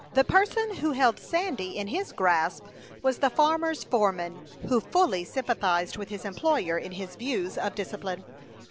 The person who held Sandy in his grasp was the farmer's foreman, who fully sympathized with his employer in his views of discipline.